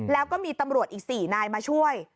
แล้วก็มีตำรวจอีก๔นายมาช่วย